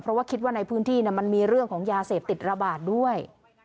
เพราะว่าคิดว่าในพื้นที่มันมีเรื่องของยาเสพติดระบาดด้วย